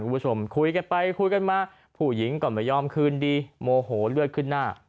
คุณผู้ชมคุยกันไปคุยกันมาผู้หญิงก็ไม่ยอมคืนดีโมโหเลือดขึ้นหน้า